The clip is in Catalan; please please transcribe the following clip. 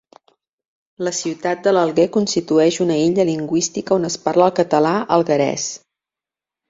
La ciutat de l'Alguer constitueix una illa lingüística on es parla el català alguerès.